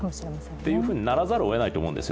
そうならざるをえないと思うんですよ